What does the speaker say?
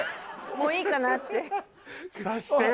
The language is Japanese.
もういいかなって察して！